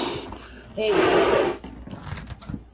হেই, Joseph.